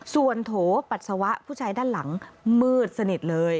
ส่วนโถปัสสาวะผู้ชายด้านหลังมืดสนิทเลย